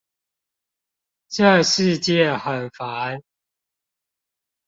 這世界很煩